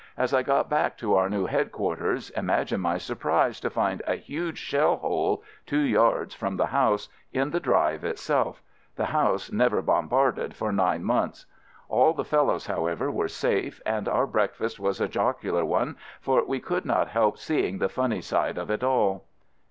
As I got back to our new headquarters, imagine my surprise to find a huge shell hole — two yards from the house — in the drive itself — the house never bombarded for nine months. All the fellows, however, were safe, and our breakfast was a jocular one, for we could not help seeing the funny side of it all.